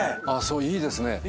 いいですね。